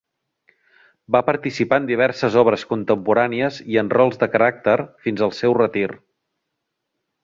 Va participar en diverses obres contemporànies i en rols de caràcter fins al seu retir.